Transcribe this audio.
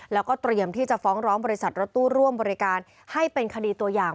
แล้วก็เตรียมที่จะฟ้องร้องบริษัทรถตู้ร่วมบริการให้เป็นคดีตัวอย่าง